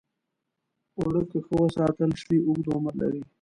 اوړه که ښه وساتل شي، اوږد عمر لري